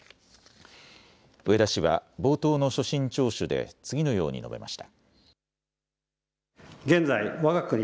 植田氏は冒頭の所信聴取で次のように述べました。